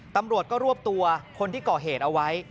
ตำรวจก็รวบตัวคนที่ก่อเหตุเอาไว้